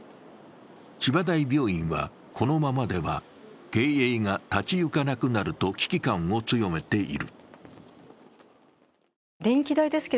千葉大病院は、このままでは経営が立ち行かなくなると危機感を強めている。